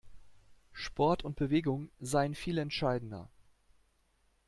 Sport und Bewegung seien viel entscheidender.